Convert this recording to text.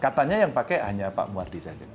katanya yang pake hanya pak muwardi saja